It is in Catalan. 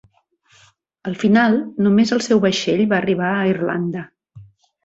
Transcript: Al final, només el seu vaixell va arribar a Irlanda.